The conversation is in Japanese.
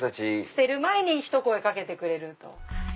捨てる前にひと声掛けてくれる。